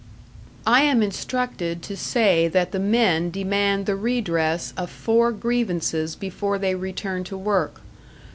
"I am instructed to say that the men demand the redress of four grievances before they return to work.